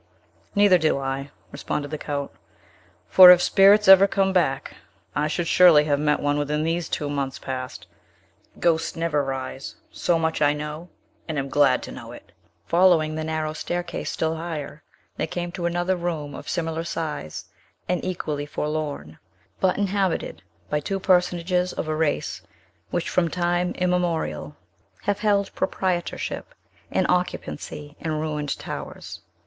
"Neither do I," responded the Count; "for, if spirits ever come back, I should surely have met one within these two months past. Ghosts never rise! So much I know, and am glad to know it!" Following the narrow staircase still higher, they came to another room of similar size and equally forlorn, but inhabited by two personages of a race which from time immemorial have held proprietorship and occupancy in ruined towers.